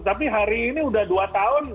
tapi hari ini udah dua tahun